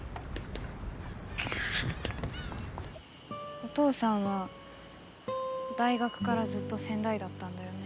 お父さんは大学からずっと仙台だったんだよね？